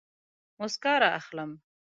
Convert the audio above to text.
موسکا رااخلم